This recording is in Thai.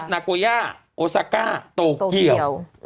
นาโกย่าโอซาก้าโตเกียว